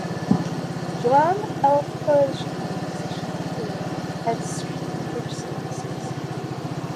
Juan L Flores Junior position four, heads street and bridge services.